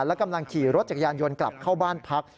และกำลังขี่รถจักรยานยนต์กลับเข้าบ้านพัก